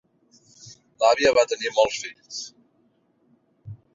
L'àvia va tenir molts fills.